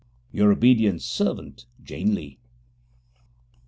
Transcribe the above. Your obedt Servt, Jane Lee.